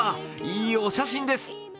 いいお写真です。